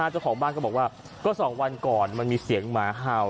เจ้าของบ้านก็บอกว่าก็๒วันก่อนมันมีเสียงหมาเห่า